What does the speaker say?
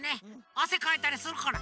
あせかいたりするから。